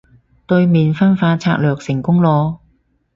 對面分化策略成功囉